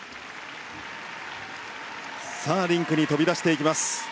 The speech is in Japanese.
さあリンクに飛び出していきます。